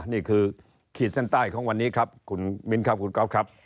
นี่คือขีดเส้นใต้ของวันนี้ครับคุณมิ้นครับคุณก๊อฟครับ